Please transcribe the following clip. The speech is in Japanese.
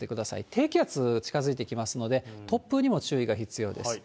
低気圧、近づいてきますので、突風にも注意が必要です。